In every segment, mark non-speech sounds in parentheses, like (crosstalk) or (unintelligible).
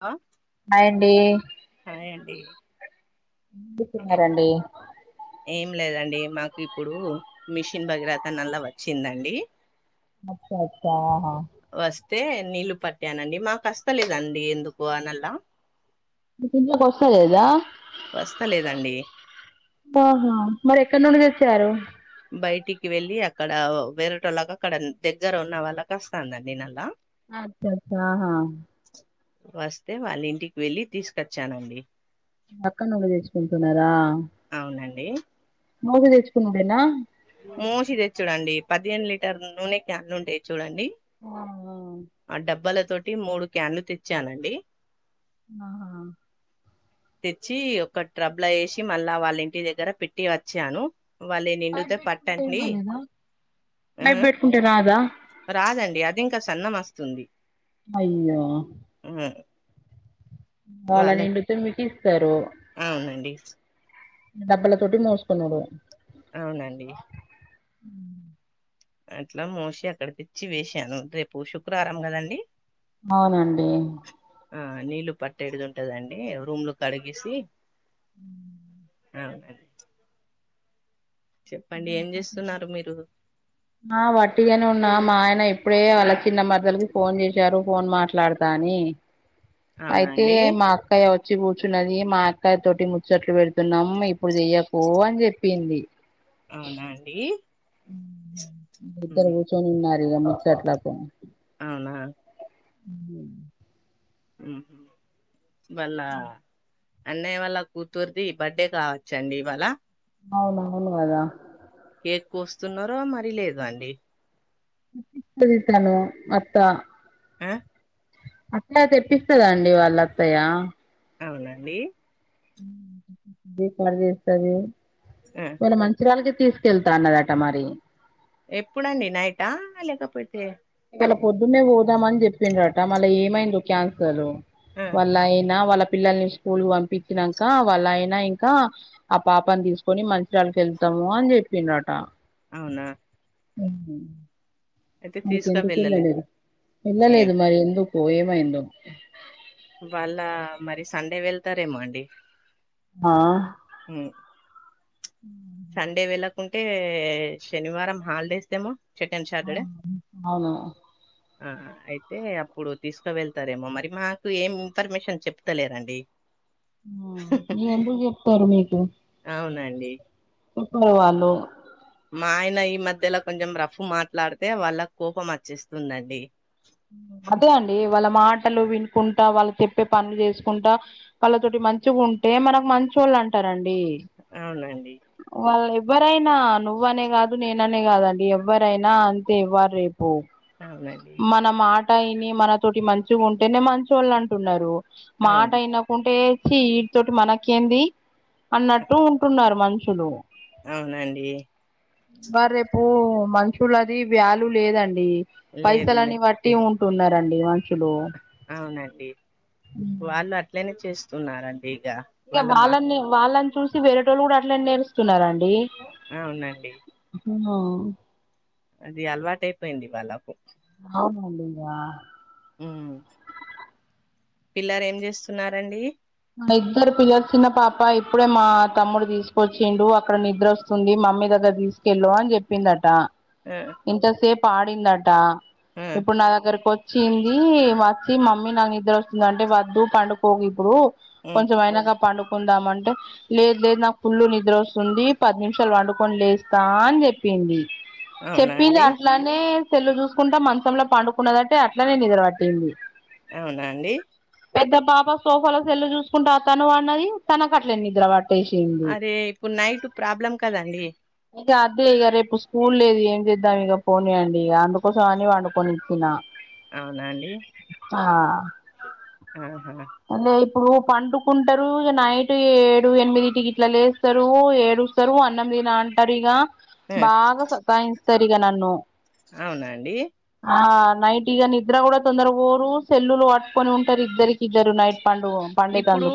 ఆ హాయండి హాయ్ అండి తున్నారండి ఏం లేదండి మాకు ఇప్పుడు మిషన్ భగీరథ నల్లా వచ్చిందండి అచ్చ అచ్చా ఆహా వస్తే నీళ్ళు పట్టానండి మాకస్తలేదండి ఎందుకో అ నల్లా కొస్తలేదా వస్తలేదండి ఆహా మరి ఎక్కడి నుండి తెచ్చినారు బయటికి వెళ్ళి అక్కడ వేరటోళ్ళగా అక్కడ దగ్గర ఉన్న వాళ్ళకి వస్తాందండి నల్లా అచ్చ అచ్చ ఆహా వస్తే వాళ్ళ ఇంటికి వెళ్ళి తీసుకొచ్చానండి అక్కనువు చేసుకుంటున్నారా అవునండి మోసి తెచ్చుకుండుదేనా మోసితెచ్చుడండి పదిహేను లీటర్ల నూనె క్యాన్ ఉండేది చూడండి ఆ ఆ డబ్బాల తోటి మూడు క్యాన్లు తెచ్చానండి ఆహా తెచ్చి ఒక ట్రబ్లో వేసి మళ్ళా వాళ్ళ ఇంటి దగ్గర పెట్టి వచ్చాను వాళ్ళు ఈ పైప్ నిండుతే పెట్టుకుంటే ఏం పట్టండి కాలేదా ఆ పైప్ పెట్టుకుంటే రాదా రాదండి అది ఇంకా సన్నం వస్తుంది అయ్యో ఉమ్ వాళ్ళ నిండుతే మీకు ఇస్తారు అవునండి డబ్పల తోటి మోసుకునుడు అవునండి అ అట్లా మోసి అక్కడ తెచ్చి వేసాను రేపు శుక్రవారం కదండి అవునండి ఆ నీళ్లు పెట్టే ఎడిది ఉంటదండి రూమ్లు కడిగేసి అ అవునండీ చెప్పండి ఏం చేస్తున్నారు మీరు ఆ వట్టిగానే ఉన్నా మా ఆయన ఇప్పుడే వాళ్ళ చిన్న మరదలకి ఫోన్ చేసారు ఫోన్ మాట్లాడతా అని అవునా అయితే అండి మాకు అక్కయ వచ్చి కూర్చున్నది మా అక్కయ తోటి ముచ్చట్లు పెడుతున్నాం ఇప్పుడు చెయ్యకు అని చెప్పింది అవునా అండి ఇద్దరు ఉమ్, కూచ్చొని ఉన్నరు ఇగా ముచ్చట్ల కు అవునా ఉ ఉ వాళ్ళ అన్నయ్య వాళ్ళ కూతురిది బర్త్ డే కావచ్చండి ఇవాళ అవును అవును కద కేక్ కోస్తున్నార మరీ లేదా అండి పిలిచినాను అత్త మ్ అట్లా తెప్పిస్తదండి వాళ్ళ అత్తయ్య అవునండి దీపాలు చేస్తది యే మన మంచిరాలకి తీసుకెళ్తా అన్నదట మరి ఎప్పుడండి నైటా లేకపోతే ఇవాళ పొద్దున్నే పోదామని చెప్పిండ్రట మళ్ళీ ఏమైందో క్యాన్సలు ఆ వాళ్ళు అయినా వాళ్ళ పిల్లల్ని (unintelligible) స్కూలు పంపిచ్చినంక వాళ్ళ అయినా ఇంకా ఆ పాపని తీసు కొని మంచిర్యాలకు వెళ్తాము అని చెప్పిండట అవునా ఉహ్మ్ అయితే మరి ఇక తీసుక ఎందుకు వెళ్ళలేదు ఏ వెళ్లలేదు మరి ఎందుకు ఏమైందో వాళ్ళ మరి సండే వెళ్తారేమో అండి హా హ్మ్ హ్మ్ సండే వెళ్ళకుంటే శనివారం హాలిడేస్ ఏమో శెకండ్ సాటర్డే అవును ఆ అయితే అప్పుడు తీసుక వెళ్తారేమో మరి మాకు ఏమి ఇన్ఫర్మేషన్ చెప్తలేరండి ఎందుకు చెప్తారు మీకు అవునాండి ఇప్పుడు వాళ్ళు మా ఆయన ఈ మధ్యలో కొంచెం రఫ్ మాట్లాడితే వాళ్ళక్ కోపం వచ్చేస్తుందండి అదే అండి వాళ్ళ మాటలు వినుకుంటా వాళ్ళు చెప్పే పనులు చేసుకుంటా వాళ్ళతోటి మంచిగుంటే మనకు మంచోళ్ళు అంటారండి అవునండి వాళ్ళు ఎవ్వరైనా నువ్వనే కాదు నేననే కాదండి ఎవ్వరైనా అంతే ఇవ్వరు రేపు అవునండి మన మాట అయిని మనతోటి మంచిగుంటేనే మంచోళ్ళు అంటున్నారు మాట అవును అయిన ఉంటే ఛీ వీటి తోటి మనకేంది అన్నట్టు ఉంటున్నారు మనుషులు అవునండి మరి రేపు మనుషులు అది వ్యాల్యూ లేదండి లేదులే పైసలని బట్ టీ ఉంటున్నారండి మంచి అవునండి వాళ్ళు అట్లనే చేస్తున్నారండి ఇగ ఇక వాళ్ళ మా వాళ్ళని వాళ్ళని చూసి వేరేటోళ్ళు కూడా అట్లే నేర్చుకున్నారండి అవునండి ఉహా అది అలవాటు అయిపోయింది వాళ్ళకు అవునండి ఇంగా ఉమ్ పిల్లరేంచేస్తున్నారండి ఇద్దరు పిల్లలు చిన్న పాప ఇప్పుడే మా తమ్ముడు తీసుకొచ్చిండు అక్కడ నిద్ర వస్ తుంది మమ్మీ దగ్గరకు తీసుకెళ్ళు అని చెప్పిందట అ ఇంతసేపు ఆడిందట ఇప్పుడు నా దగ్గరకు వ వచ్చింది వచ్చి మమ్మీ నాకు నిద్ర వస్తుంది అంటే వద్దు పండుకోకు ఇప్పుడు ఉమ్ కొంచెం అయినాక పండుకుందాం అంటే లేదు లేదు నాకు పుల్లు నిద్ర వస్తుంది పది నిమిషాలు వండుకొని లేస్తా అని చెప్పింది అవునా చెప్పింది అండి అట్లనే సెల్లు చూసుకుంటా మంచంలో పండుకున్నదంటే అట్లనే నిద్ర పట్టింది అవునా అండి పెద్ద పాాప సోఫాలో సెల్లు చూసుకుంటూ తను పన్నది తనకట్లే నిద్ర పాట్ అరే ఇప్పుడ్నైట్ ప్రాబ్లం కదండి ఇంక అదే ఇక రేపు స్కూల్ లేదు ఏం చేద్దాం ఇక పోనీయండి ఇక అందుకోసం అని వండుకొనిచ్చిన అవునాండి ఆహా అంటే ఇప్పుడు పండుకుంటారు నైట్ ఏడు ఎనిమిది టికెట్ల లేస్ ఇద్దరు ఏడుస్తారు అన్నందినా అంటారు ఇగ ఆ బాగా సతాయిస్తారు ఇగ నన్ను అవునాండి ఆ నైట్ ఈగ నిద్ర కూడా తొందరాగా పోరు సెల్లులు వాట్టుకొని ఉంటారు ఇద్దరికి ఇద్దరు నైట్ పండుగ ఇప్పుడు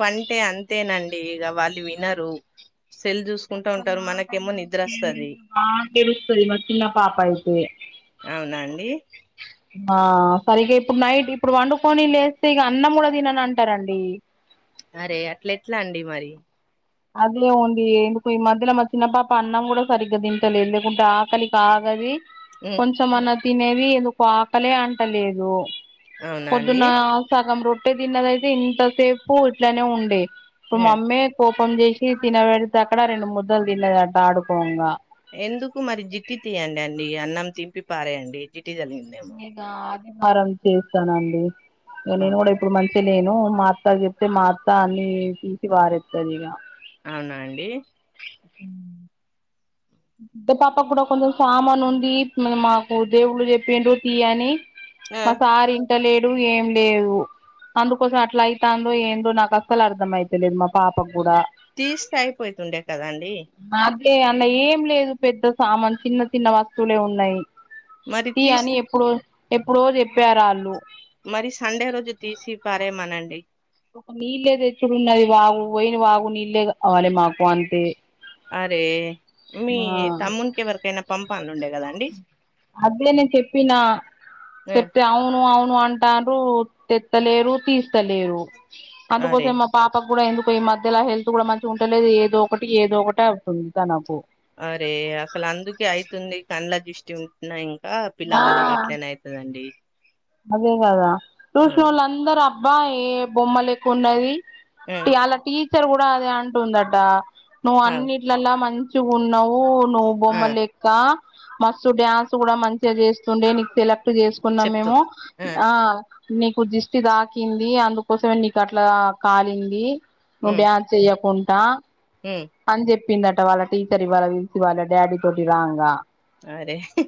పంటే అం తేనండి ఇక వాళ్ళు వినరు సెల్ చూసుకుంటూ ఉంటారు మనకేమో నిద్ర వస్తుది ఆ తెలుస్తది మరి చిన్న పాప అయితే అవునా అండి ఆ సరిగా ఇప్పుడు నైట్ ఇప్పుడు పండుకొని లేస్తే ఇక అన్నం కూడా తిన్నానాటారండి అరే అట్ల ఎట్లా అండి మరి అందులో ఏముంది ఈ మధ్యలో మా చిన్న పాప అన్నం కూడా సరిగ్గా తింటలేదు లేకుంటే ఆకలి ఆగది ఉమ్ కొంచెమన్నా తినేవి ఎందుకు ఆకలే అంటలేదు అవునా అండి పొద్దున్న సగం రొట్టే తిన్నదయితే ఇంతసేపు ఇట్లానే ఉండే ఇప్పుడు ఉమ్ మమ్మీ ఫోన్ చేసి తినబెడితే అక్కడ రెండు ముద్దలు తినది అట ఆడుకోంగా ఎందుకు మరి జిట్టి తీయండి అండి అన్నం తింపి పారేయండి జిట్టి జలిగింది నేను ఆదివారం చేస్తానండి నేను కూడా అవునా ఇప్పుడు మంచి అే నేను మా అత్త చెప్తే మా అత్త అన్ని తీసి పరేస్తంది ఇక అవునా అండి ఆ పెద్ద పాప కూడా కొంచెం సామాను ఉంది మాకు దేవుళ్ళు చెప్పిండ్రడు తీయని ఆ మా సార్ ఇంట లేడు ఏం లేదు అందుకోసం అట్లా అయితుందో ఏందో నాకు అస్సలు అర్థం అయితలేదు మా పాప్కు కూడా తీస్తే అయిపోతుండే కదాండి అదే అన్న ఏం లేదు పెద్ద సామాన్ చిన్న చిన్న వస్తువ్లే ఉన్నాయి మరి ఈ అని తీస్తే ఎప్పుడో ఎప్పుడో చెప్పారు ఆళ్ళు మరి సండే రోజు తీసి పారేమనండి ఒక నీళ్ళ తెచ్చుడున్నది వాగు పోయిన వాగు నీళ్ళే కావ్వాలి మాకు అంతే అరే మీ ఆ తమ్మునికి ఎవరికైనా పంపాలు ఉండే కదా అండి అద్దెనే చెప్పిన ఆ, చెప్తే అవును అవును అం తెత్నరు తెత్తలేరు తీస్తలేరు అరే అందుకోసం పాపకు కూడా ఎందుకో ఈ మధ్యలో హెల్త్ కూడా మంచిగా ఉంటేలేదు ఏదో ఒకటి ఏదో ఒకటి అవుతుంది తనకు అరే అస్సల్ అందుకే అయితుంది కండ్ల దృష్టి ఉంటున్నా ఇంకా పిల్ల ఆ గలకి అట్లనే అయి తాండి అదే కదా అవును చూసనోళ్లు అందరు అబ్బా ఏ బొమ్మలెక్క ఉన్నది ఆ అలా టీచర్ కూడా అదే అంటుందట నువ్వు అవ్ అన్నిట్లలా మంచిగ ఉన్నావు నువ్వు ఆ బొమ్మ లెక్క మస్త్ డాన్స్ కూడా మంచిగా చేస్తుండే నీకు సెలెక్ట్ చేసుకున్నా చెప్తు మేము. ఆ నీకు దిష్టి తాకింది అందుకోసమే నీకు అట్లా కాలింది. నువ్వు డ్యాన్ చేయకుండా మ్ అని చెప్పిందట. వాళ్ళ టీచర్ ఇవాళ పిలిచి వాళ్ళ డాడీ తోటి రాంగా అరే హి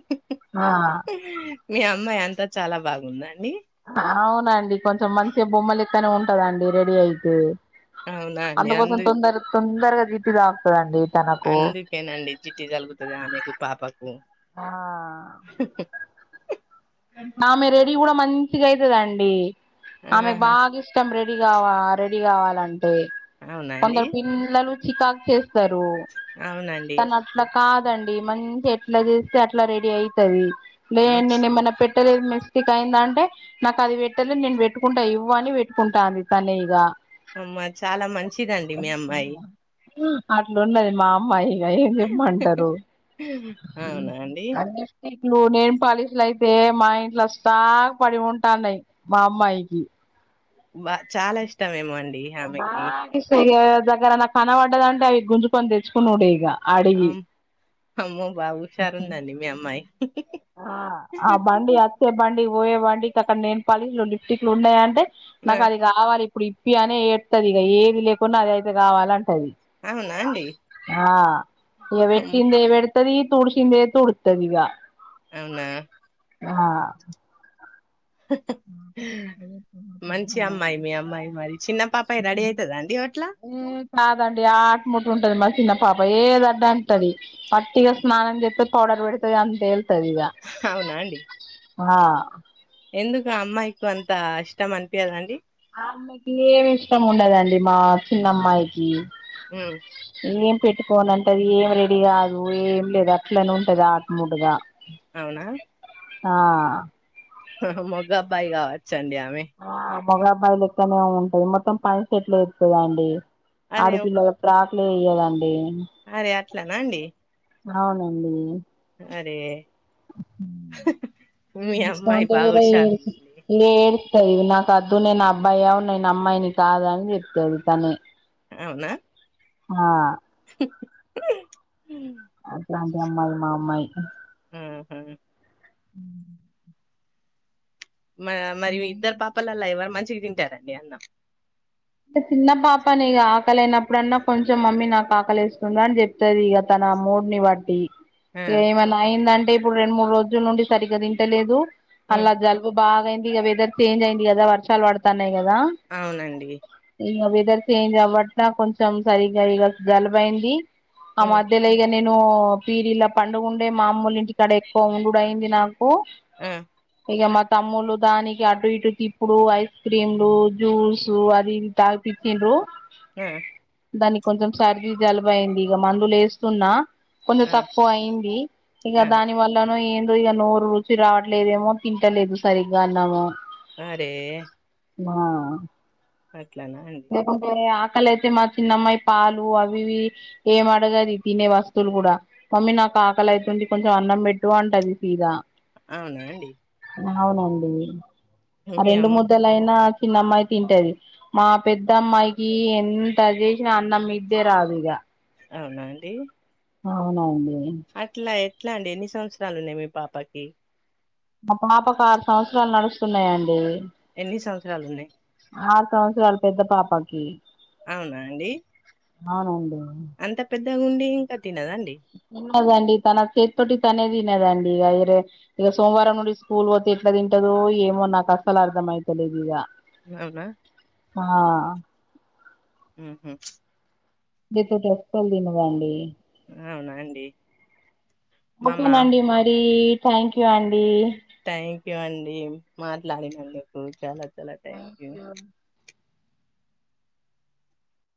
ఆ హి హి మీ అమ్మాయి అంతా చాలా బాగుందాండి. అవునండి కొంచెం మంచిగా బొమ్మలెక్కనే ఉంటదండి రెడీ అయితే. అవునా అండి అందుకోసం అందు తొందర తొందరగా దిష్టి తాకుతాదండి. అందుకేనండి దిష్టి తగులుతాది ఆమెకు పాపకు. ఆ హ్ హ్ హి ఆమె రెడీ కూడా మంచిగా అయితాదండి. ఆమెకి ఆహా బాగా ఇష్ట ఇష్టం రెడీ కావాలంటే రెడీ కావాలంటే అవునా అండి కొందరు పిల్లలు చికాకు చేస్త స్తరు అవునండి తన అట్లా కాదండి మంచి ఎట్లా చేస్తే అట్లా రెడీ అయితాది. లే అమ్మ చ- నేను ఏమన్నా పెట్టలేదు మిస్టేక్ అయిందంటే నాకు అది పెట్టెలా నేను పెట్టుకుంటా ఇవ్వు అని పెట్టుకుంటా అంది తనే ఇగ అమ్మా, చాలా మంచిదండి మీ అమ్మాయి. అట్లున్నది మా అమ్మాయి. ఇక ఏం చెప్పంటారు. అవునా అండి అన్నిట్లోనేం పాలిస్లు అయి సేమ్ మా ఇంట్లో స్టాక్ పడి ఉంటాన్నాయి మా అమ్మాయికి. బా చాలా ఇష్టమేమో అండి. బాగా ఆమెకి ఇష్ట ఎవరి దగ్గర కన పడ్డదంటే అవి గుంజుకొని తెచ్చుకునుడే ఇగ. అడిగి అమ్ అమ్మో బా హుషారు ఉందండి మీ అమ్మాయి హ్ హి హ్ హి వచ్చే బండి పోయే బండి ఇక అక్కడ నెయిల్ పాలిస్లు, లిఫ్టిక్లు ఉన్నాయ అంటే ఆ, నాకు అది కావాలి ఇప్పుడు ఇప్పి అనే ఏడుస్తాది. ఇక ఏది లేకున్నా అది అయితే కావాలంటది. అవునా అండి ఆ ఇగ అమ్, పెట్టిందే పెడ తాది, తుడిసిందే తుడుస్తాది ఇగ అవునా ఆ పెద్ద మంచి అమ్మాయి మీ అమ్మాయి మరి చిన్న పాపాయి రెడీ అయితాదా అండి అట్లా. కాదండి ఆట మీద ఉంటది మా చిన్న పాప ఏది వద్దు అంటాది. వట్టిగా స్నానం చేస్తాది. పౌడర్ పెడతాది అంతే వెళ్తాది ఇగ క్స్ హ అవునా అండి ఆ ఎందుకు అమ్మాయికు అంత ఇష్టం అనిపీయదండి. ఆమెకి ఏమి ఇష్టం ఉండదండి మా చిన్నమ్మాయికి. మ్ ఏం పెట్టుకోను అంటది. ఏం రెడీ కాదు, ఏం లేదు అట్లనే ఉంటాది ఆట మూడుగా. అవునా ఆ మొగబ్బాయి కావచ్చండి ఆమె. ఆ మొగబ్బాయి లెక్కనే ఉంటది. మొత్తం ప్యాంట్, షర్ట్ లు వేస్తుందండి అరే ఆడపిల్ల షాట్ లే వెయ్యదండి. అరే అట్లానా అండి అవునండి అరే మీ అమ్మాయి భాగుషర్ ఏడుస్తాది నాకు అద్దు నేను అబ్బాయ నేను అమ్మాయిని కాదని చెప్తది తనే అవునా ఆ హ అట్లాంటి అమ్మాయి మా అమ్మాయి మ్ హు మా మరి ఇద్దరు పాపలల్ల ఎవరు మంచిగా తింటారండి అన్నాం అంటే చిన్న పాపనే ఇగ ఆకలినప్పుడన్నా కొంచెం మమ్మీ నాకు ఆకలేస్తుందని చెప్ స్తది ఈగ తన మూడు ని బట్టి ఆ ఏమన్నా అయిందంటే ఇప్పుడు రెండు మూడు రోజుల నుండి సరిగ్గా తింటలేదు ఉమ్ మల్ల జల్ బు బాగాయింది ఇగ వెదర్ చేంజ్ అయింది కదా వర్షాలు పడుతన్నయ్ కదా అవునండి ఇగ వెదర్ చేంజ్ అవ్వట్లే కొంచెం సరిగ్గా ఇగ జలుబైంది ఆ ఉమ్ మధ్యలిగ నేను పీరిలా పండుగుండే మా అమ్మోల్ల ఇంటికాడ ఎక్కువ ఉండుడు అయింది నాకు మ్ ఇగ మా తమ్ములు దానికి అటు ఇటు తిప్పుడు ఐస్ క్రీంలు జ్యూస్ లు అది ఇది తాగిపిచ్చిండ్రు మ్ దానికి కొంచెం సర్ది జలుబ అయింది ఇగ మందులేస్తున్నా కొంచం ఆ తక్కువ అయింది ఇగ ఆ దాని వల్ ఎట్లనో ఏందో ఇగ నోరు రుచి రావట్లేదేమో తింటలేదు సరిగ్గా అన్నాము అరే ఆ అట్లానా అం అంటే ఆకలియితే మా చిన్నమ్మాయి పాలు అవి ఇవి ఏం అడగది తినే వస్తువులు కూడా మమ్మీ నాకు ఆకలి అయితుంది కొంచెం అన్నం పెట్టు అంటది సీదా అవునా అండి అవునండి ఆ మీ రెండు అమ్ ముద్దలైన చిన్నమ్మాయి తింటది మా పెద్ద అమ్మాయికి ఎంత అది చేసిన అన్నం మీకే రాదు ఇగ అవునా అండి అవునండి అట్లా ఎట్లా అండి ఎన్ని సంవత్సరాలు ఉన్నాయి మీ పాపకి మా పాపకు ఆరు సంవత్సరాలు నడుస్తున్నాయండి ఎన్ని సంవత్సరాలు ఉన్నాయి ఆరు సంవత్సరాలు పెద్ద పాపకి అవునా అండి అవునా అండి అంత పెద్దగుండి ఇంకా తినదా అండి తన్నదండి తన చేత్తోటి తనే తినదండి ఇగ ఈర్ ఇగ సోమవారం నుండి స్కూల్ పోతే ఎట్లా తింటదొ ఏమో నాకు అసలు అర్థం అయితలేదు ఇగ అవునా ఆ ఉహుమ్ (unintelligible) అస్సల్ తినదండి అవునా అండి మామ ఓకేనండి మరి థ్యాంక్యూ అండి. థ్యాంక్యూ అండి మాట్లాడినందుకు చాలా చాలా థ్యాంక్ యూ థ్యాంక్యూ